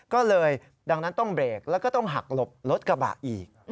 ก็เลยดังนั้นต้องเบรกแล้วก็ต้องหักหลบรถกระบะอีก